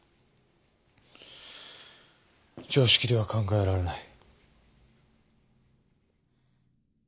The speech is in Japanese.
常識では考えられない。